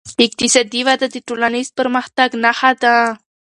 اقتصادي وده د ټولنیز پرمختګ نښه ده.